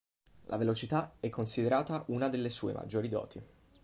La velocità è considerata una delle sue maggiori doti.